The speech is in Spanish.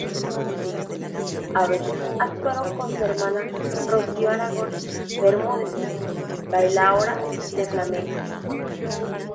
A veces, actuaron con su hermana Rocío Aragón Bermúdez, bailaora de flamenco.